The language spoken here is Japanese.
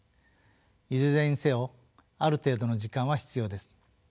いずれにせよある程度の時間は必要です。